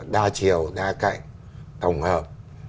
đa chiều đa cạnh tổng hợp